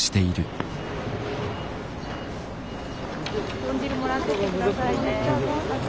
豚汁もらってってくださいね。